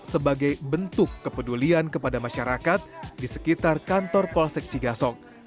sebagai bentuk kepedulian kepada masyarakat di sekitar kantor polsek cigasok